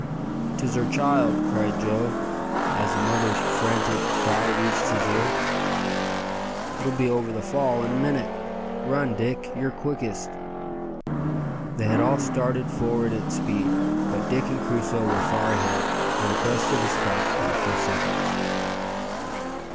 "'Tis her child," cried Joe, as the mother's frantic cry reached his ear. "It'll be over the fall in a minute! Run, Dick, you're quickest." They had all started forward at speed, but Dick and Crusoe were far ahead, and abreast of the spot in a few seconds.